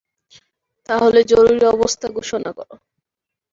তাহলে জরুরি অবস্থা ঘোষণা করো।